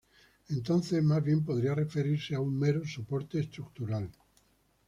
Entonces más bien podría referirse a un mero soporte estructural.